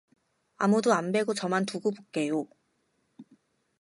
아무두 안 뵈구 저만 두구 보께요.